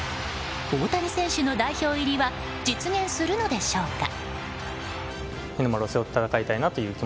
大谷選手の代表入りは実現するのでしょうか。